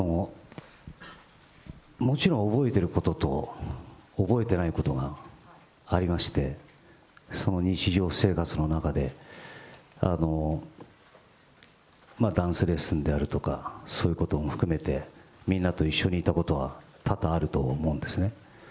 もちろん覚えていることと、覚えてないことがありまして、日常生活の中で、ダンスレッスンであるとか、そういうことも含めて、みんなと一緒にいたことは多々あると思うんですね。